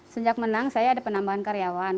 sejak menang saya ada penambahan karyawan